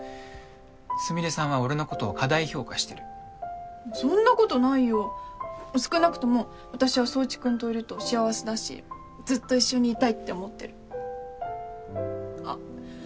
スミレさんは俺のことを過大評価してるそんなことないよ少なくとも私は宗一君といると幸せだしずっと一緒にいたいって思ってるあっ